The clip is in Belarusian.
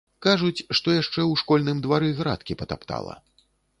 Кажуць, што яшчэ ў школьным двары градкі патаптала.